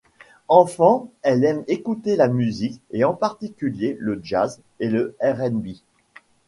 Enfant, elle aime écouter la musique et en particulier le jazz et le R'n'B.